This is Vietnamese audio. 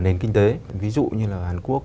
nền kinh tế ví dụ như là hàn quốc